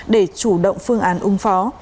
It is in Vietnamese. để chủ động phương án ung phó